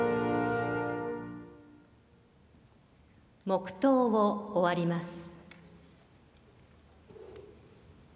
黙とうを終わります。